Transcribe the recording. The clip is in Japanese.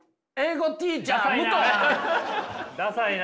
ダサいな。